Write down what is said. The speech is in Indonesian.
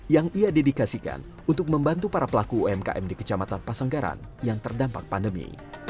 yang ia dedikasikan untuk membantu para pelaku umkm di kecamatan pasanggaran yang terdampak pandemi